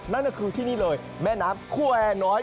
นั่นก็คือที่นี่เลยแม่น้ำคั่วแอร์น้อย